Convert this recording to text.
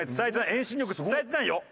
遠心力伝えてないよ。